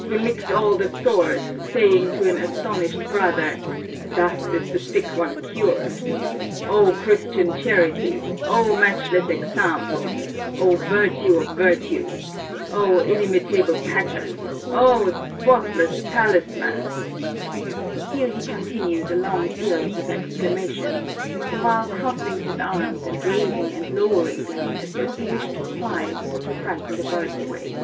He licked all the sores, saying to an astonished brother, 'Thus is this sick one cured!' O Christian charity! O matchless example! O virtue of virtues! O inimitable pattern! O spotless talisman!" Here he continued a long series of exclamations, the while crossing his arms and raising and lowering them as though he wished to fly or to frighten the birds away.